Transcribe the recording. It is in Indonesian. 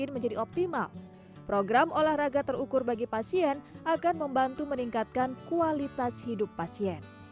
menjadi optimal program olahraga terukur bagi pasien akan membantu meningkatkan kualitas hidup pasien